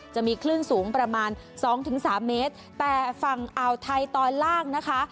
จะมีคลื่นสูงประมาณสองถึงสามเมตรแต่ฝั่งอ่าวไทยตอนล่างนะคะ